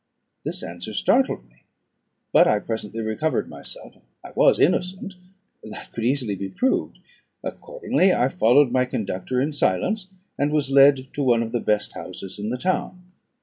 This answer startled me; but I presently recovered myself. I was innocent; that could easily be proved: accordingly I followed my conductor in silence, and was led to one of the best houses in the town.